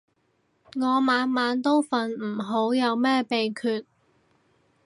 我晚晚都瞓唔好，有咩秘訣